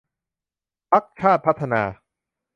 พรรคชาติพัฒนา